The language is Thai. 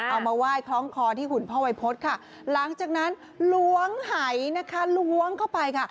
เอามาไหว้คล้องคอที่หุ่นพ่อวัยพฤษค่ะหลังจากนั้นล้วงหายนะคะล้วงเข้าไปค่ะ